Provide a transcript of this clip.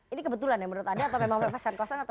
ini kebetulan ya menurut anda atau memang berpesan kosong atau